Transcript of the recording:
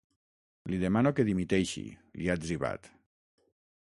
Li demano que dimiteixi, li ha etzibat.